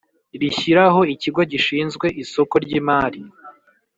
rishyiraho Ikigo gishinzwe isoko ry imari